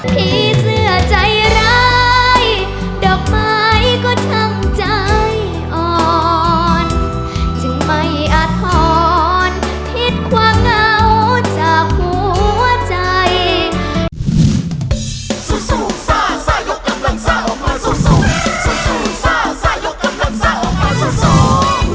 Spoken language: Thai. สู้สู้ซ่าซ่ายกับกำลังซ่าออกมาสู้สู้